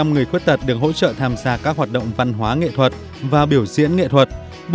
một mươi người khuyết tật được hỗ trợ tham gia các hoạt động văn hóa nghệ thuật và biểu diễn nghệ thuật